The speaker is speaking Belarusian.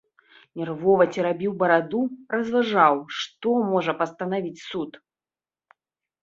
Нервова церабіў бараду, разважаў, што можа пастанавіць суд.